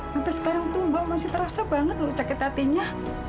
sampai sekarang tuh mbak masih terasa banget loh sakit hatinya